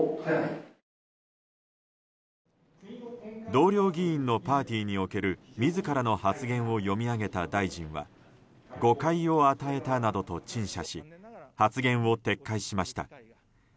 同僚議員のパーティーにおける自らの発言を読み上げた大臣は誤解を与えたなどと陳謝し発言を撤回しました。